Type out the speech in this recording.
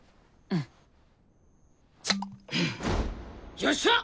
よっしゃ！